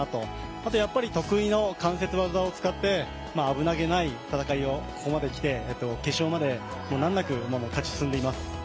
あと、得意の関節技を使って、危なげない戦いをここまで来て、決勝まで難なく勝ち進んでいます。